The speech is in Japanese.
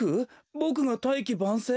ボクが「大器晩成」？